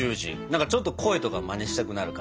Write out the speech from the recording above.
何かちょっと声とかマネしたくなる感じ。